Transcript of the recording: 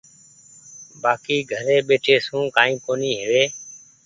بآڪي گھري ٻيٺي سون ڪآئي ڪونيٚ هووي۔